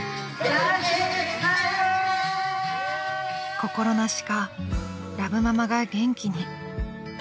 ［心なしかラブママが元気に］